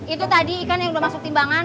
itu tadi ikan yang sudah masuk timbangan